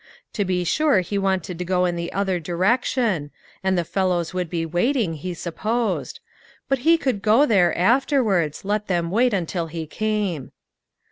To be sure he wanted to go in the other direction, and the fellows would be wait ing, he supposed ; but he could go there, after wards, let them wait until he came.